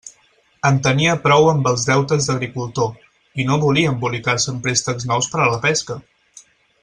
En tenia prou amb els deutes d'agricultor, i no volia embolicar-se en préstecs nous per a la pesca.